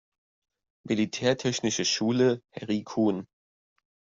Militärtechnische Schule „Harry Kuhn“